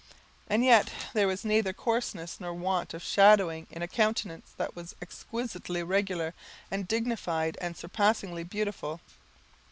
And yet there was neither coarseness nor want of shadowing in a countenance that was exquisitely regular, and dignified and surpassingly beautiful.